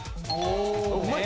うまい！